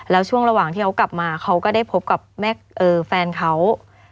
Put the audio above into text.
แล้วช่วงระหว่างที่เขากลับมาเขาก็ได้พบกับแฟนเขา